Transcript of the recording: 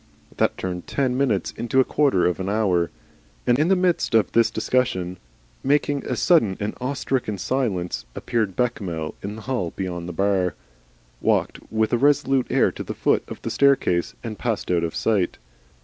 That turned ten minutes into a quarter of an hour. And in the midst of this discussion, making a sudden and awestricken silence, appeared Bechamel in the hall beyond the bar, walked with a resolute air to the foot of the staircase, and passed out of sight.